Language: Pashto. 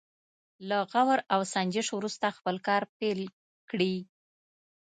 له غور او سنجش وروسته خپل کار پيل کړي.